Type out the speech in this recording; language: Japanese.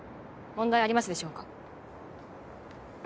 問題ありますでしょうか？